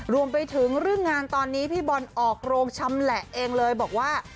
รวมไปถึงเรื่องงานตอนนี้พี่บอลออกโรงชำแหละเองเลยบอกว่า